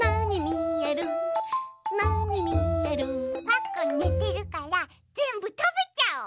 パックンねてるからぜんぶたべちゃおう！